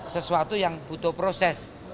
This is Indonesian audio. sesuatu yang butuh proses